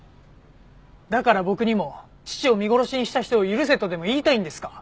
だから僕にも父を見殺しにした人を許せとでも言いたいんですか？